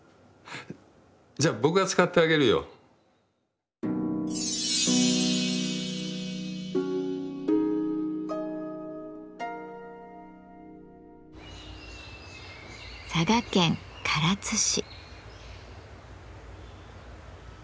じゃあ僕が使ってあげるよ。佐賀県唐津市。